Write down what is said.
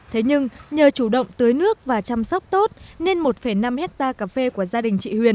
thế nhưng nhờ chủ động tưới nước và chăm sóc tốt nên một năm hectare cà phê của gia đình chị huyền